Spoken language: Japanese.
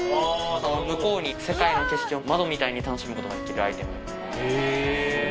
向こうに世界の景色を窓みたいに楽しむことができるアイテム。